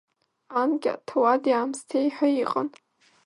Анкьа ҭауади-аамсҭеи ҳәа иҟан.